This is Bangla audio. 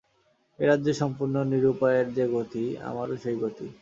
এ রাজ্যে সম্পূর্ণ নিরুপায়ের যে গতি, আমারও সেই গতি।